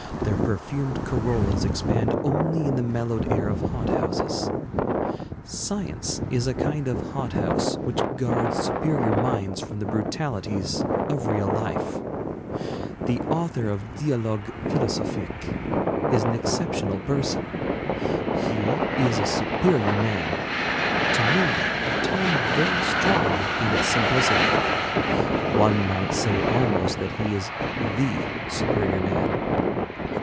Their perfumed corollas expand only in the mellowed air of hot houses. Science is a kind of hot house which guards superior minds from the brutalities of real life. The author of 'Dialogues philosophiques' is an exceptional person. He is a superior man, to me a term very strong in its simplicity; one might say almost that he is the superior man.